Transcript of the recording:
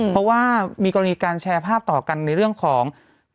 เพราะว่ามีกรณีการแชร์ภาพต่อกันในเรื่องของ